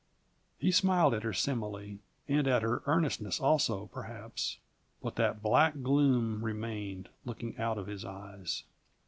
He smiled at her simile, and at her earnestness also, perhaps; but that black gloom remained, looking out of his eyes.